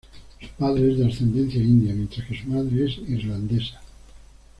Su padre es de ascendencia india; mientras que su madre es irlandesa.